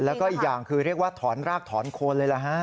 แล้วก็อีกอย่างคือเรียกว่าถอนรากถอนโคนเลยล่ะฮะ